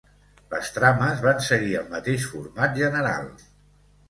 Les trames van seguir el mateix format general.